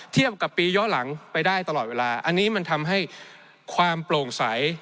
กับปีย้อนหลังไปได้ตลอดเวลาอันนี้มันทำให้ความโปร่งใส